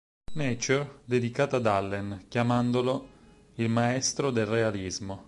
Nature" dedicata ad Allen, chiamandolo "Il maestro del realismo".